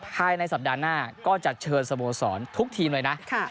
ภายในสัปดาห์หน้าก็จะเชิญสโมสรทุกทีมเลยนะ